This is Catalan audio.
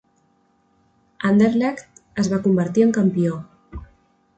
Anderlecht es va convertir en campió.